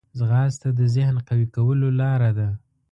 ځغاسته د ذهن قوي کولو لاره ده